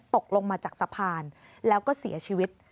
ตกลงมาจากสะพานแล้วก็เสียชีวิต